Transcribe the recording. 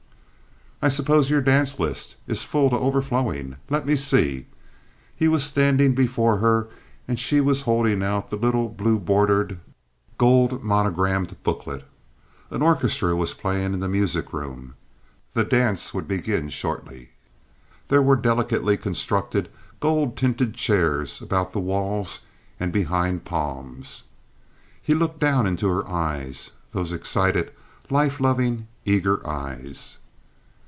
"I suppose your dance list is full to overflowing. Let me see." He was standing before her and she was holding out the little blue bordered, gold monogrammed booklet. An orchestra was playing in the music room. The dance would begin shortly. There were delicately constructed, gold tinted chairs about the walls and behind palms. He looked down into her eyes—those excited, life loving, eager eyes.